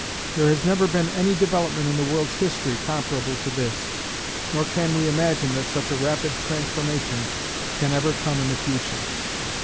There has never been any development in the world's history comparable to this, nor can we imagine that such a rapid transformation can ever come in the future.